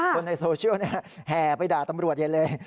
คนในโซเชียลแห่ไปด่าตำรวจใหญ่เลย